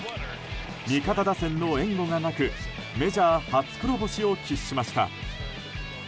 味方打線の援護がなくメジャー初黒星を喫しました。